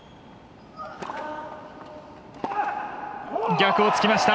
逆をつきました。